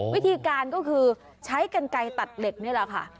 วิธีการก็คือใช้กันไกลตัดเหล็กนี่แหละค่ะ